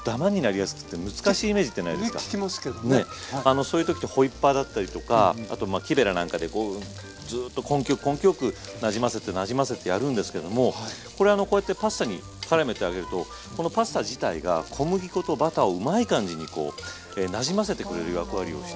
そういう時ってホイッパーだったりとかあとまあ木べらなんかでずっと根気よく根気よくなじませてなじませてやるんですけどもこれあのこうやってパスタにからめてあげるとこのパスタ自体が小麦粉とバターをうまい感じにこうなじませてくれる役割をして。